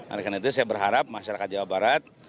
oleh karena itu saya berharap masyarakat jawa barat